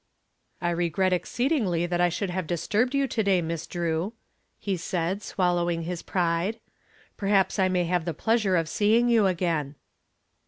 "I regret exceedingly that I should have disturbed you to day, Miss Drew," he said, swallowing his pride. "Perhaps I may have the pleasure of seeing you again."